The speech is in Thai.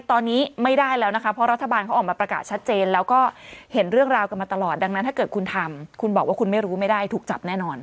ตอนนี้ไม่ได้แล้วนะคะเพราะรัฐบาลเขาออกมาประกาศชัดเจนแล้วก็เห็นเรื่องราวกันมาตลอดดังนั้นถ้าเกิดคุณทำคุณบอกว่าคุณไม่รู้ไม่ได้ถูกจับแน่นอน